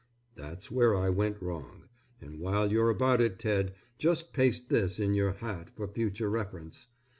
That's where I went wrong, and while you're about it Ted just paste this in your hat for future reference.